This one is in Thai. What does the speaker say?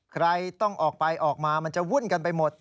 ใครต้องออกไปออกมามันจะวุ่นกันไปหมด